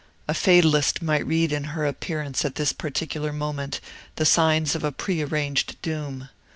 A fatalist might read in her appearance at this particular moment the signs of a prearranged doom.